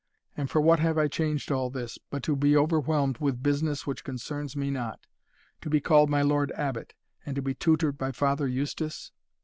And for what have I changed all this, but to be overwhelmed with business which concerns me not, to be called My Lord Abbot, and to be tutored by Father Eustace?